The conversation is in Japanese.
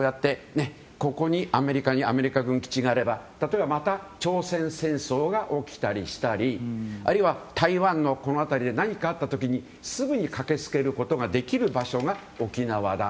ここにアメリカ軍基地があれば例えばまた朝鮮戦争が起きたりしたりあるいは台湾の辺りで何かあった時にすぐに駆け付けることができる場所が沖縄だ。